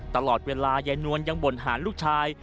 ตลอดเวลายายนวลยังบ่นหาลูกชาย